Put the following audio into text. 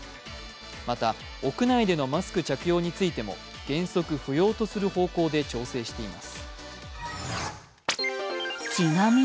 また、屋内でのマスク着用についても原則不要とする方向で調整しています。